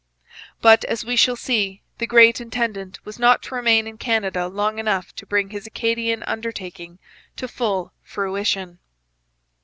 ] But, as we shall see, the great intendant was not to remain in Canada long enough to bring his Acadian undertaking to full fruition.